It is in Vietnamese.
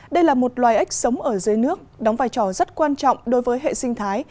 đây là một loài ếch sống ở dưới nước đóng vai trò rất quan trọng đối với hệ sinh thái